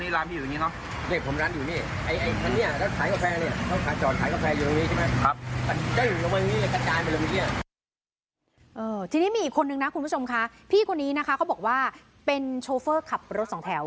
ทีนี้มีอีกคนนึงนะคุณผู้ชมค่ะพี่คนนี้นะคะเขาบอกว่าเป็นโชเฟอร์ขับรถสองแถว